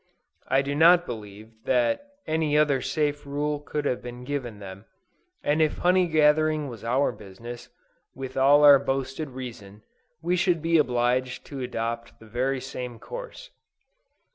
I do not believe, that any other safe rule could have been given them; and if honey gathering was our business, with all our boasted reason, we should be obliged to adopt the very same course.